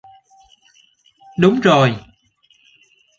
Đúng rồi